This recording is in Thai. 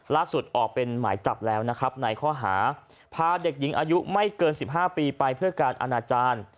ออกเป็นหมายจับแล้วนะครับในข้อหาพาเด็กหญิงอายุไม่เกิน๑๕ปีไปเพื่อการอนาจารย์